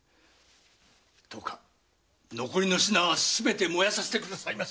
どうか残りの品はすべて燃やさせてくださいまし。